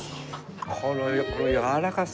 このやわらかさ。